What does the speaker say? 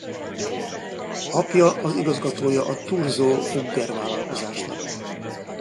Apja az igazgatója a Thurzó–Fugger vállalkozásnak.